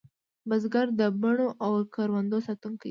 بزګر د بڼو او کروندو ساتونکی دی